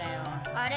・あれ？